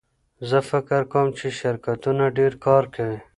زه فکر کوم چې شرکتونه ډېر کار کوي.